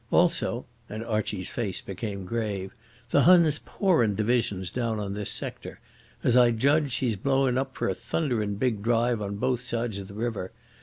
Also," and Archie's face became grave, "the Hun's pourin' divisions down on this sector. As I judge, he's blowin' up for a thunderin' big drive on both sides of the river.